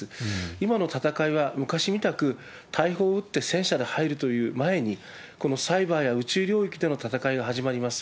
今の戦いは、昔みたく、大砲を撃って戦車で入るという前に、このサイバーや宇宙領域での戦いが始まります。